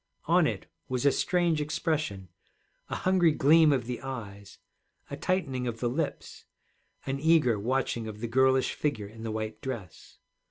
On it was a strange expression, a hungry gleam of the eyes, a tightening of the lips, an eager watching of the girlish figure in the white dress.